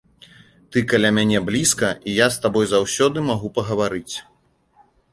Ты каля мяне блізка, і я з табой заўсёды магу пагаварыць.